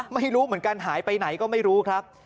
ไม่รู้เหมือนกันหายไปไหนก็ไม่รู้ครับ